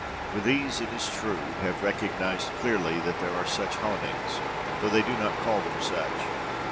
For these, it is true, have recognized clearly that there are such hauntings, though they do not call them such.